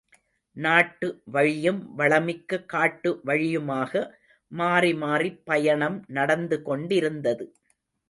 நாட்டு வழியும் வளமிக்க காட்டு வழியுமாக மாறிமாறிப் பயணம் நடந்து கொண்டிருந்தது.